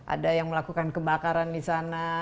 ada yang melakukan kebakaran disana